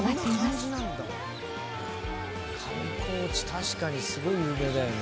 確かにすごい有名だよね。